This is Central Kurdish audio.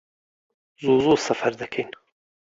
زوو زوو سەفەر دەکەین